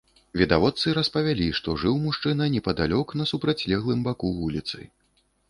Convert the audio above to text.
Відавочцы распавялі, што жыў мужчына непадалёк на супрацьлеглым баку вуліцы.